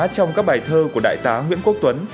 trong các bài thơ của đại tá nguyễn quốc tuấn